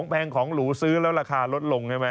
แพงของหรูซื้อแล้วราคาลดลงใช่ไหม